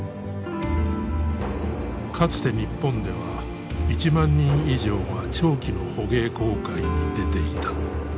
かつて日本では１万人以上が長期の捕鯨航海に出ていた。